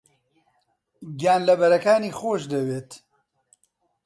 گیانلەبەرەکانی خۆش دەوێت.